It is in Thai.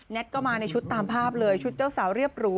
ก็มาในชุดตามภาพเลยชุดเจ้าสาวเรียบหรู